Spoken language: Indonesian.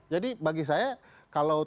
jadi bagi saya kalau